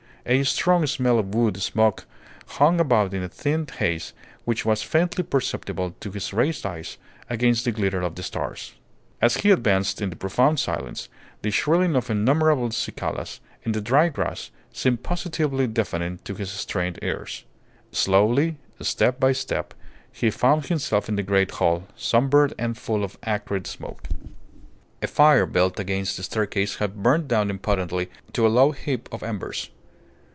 A strong smell of wood smoke hung about in a thin haze, which was faintly perceptible to his raised eyes against the glitter of the stars. As he advanced in the profound silence, the shrilling of innumerable cicalas in the dry grass seemed positively deafening to his strained ears. Slowly, step by step, he found himself in the great hall, sombre and full of acrid smoke. A fire built against the staircase had burnt down impotently to a low heap of embers.